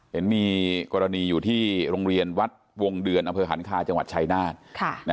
เห็นมีกรณีอยู่ที่โรงเรียนวัดวงเดือนอำเภอหันคาจังหวัดชายนาฏ